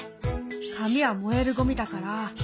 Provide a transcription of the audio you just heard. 紙は燃えるゴミだから。